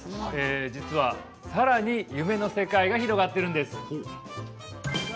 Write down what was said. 実はさらに夢の世界が広がっているんです。